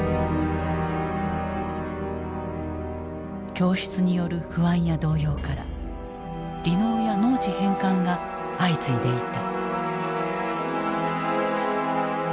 供出による不安や動揺から離農や農地返還が相次いでいた。